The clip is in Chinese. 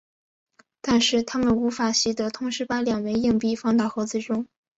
但是它们无法习得同时把两枚硬币放到盒子中。